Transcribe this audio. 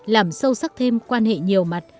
làm sâu sắc thêm quan hệ nhiều mặt